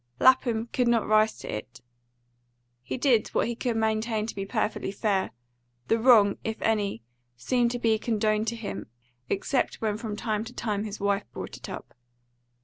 Lapham could not rise to it. He did what he could maintain to be perfectly fair. The wrong, if any, seemed to be condoned to him, except when from time to time his wife brought it up.